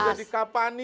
udah dikapani mi